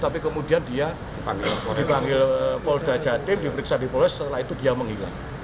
tapi kemudian dia dipanggil polda jatim diperiksa di polres setelah itu dia menghilang